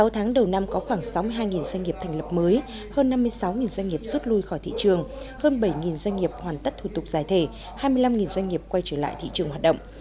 sáu tháng đầu năm có khoảng sáu mươi hai doanh nghiệp thành lập mới hơn năm mươi sáu doanh nghiệp rút lui khỏi thị trường hơn bảy doanh nghiệp hoàn tất thủ tục giải thể hai mươi năm doanh nghiệp quay trở lại thị trường hoạt động